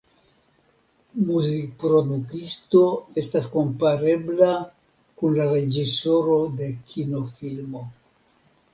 Muzikproduktisto estas komparebla kun la reĝisoro de kinofilmo.